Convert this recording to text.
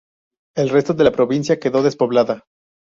El resto de la provincia quedo despoblada.